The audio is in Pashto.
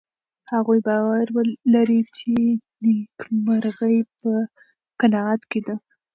هغوی باور لري چې نېکمرغي په قناعت کې ده.